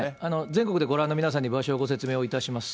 全国でご覧の皆さんに場所をご説明をいたします。